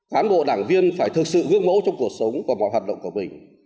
cán bộ đảng viên phải thực sự gương mẫu trong cuộc sống và mọi hoạt động của mình